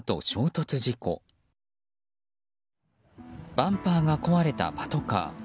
バンパーが壊れたパトカー。